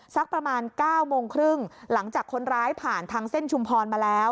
สักประมาณ๙โมงครึ่งหลังจากคนร้ายผ่านทางเส้นชุมพรมาแล้ว